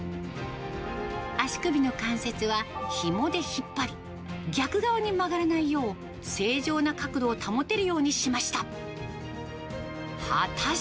足首の関節はひもで引っ張り、逆側に曲がらないよう、正常な角度を保てるようにしました。